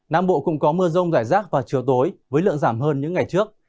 nam bộ cũng có mưa rông rải rác vào chiều tối với lượng giảm hơn những ngày trước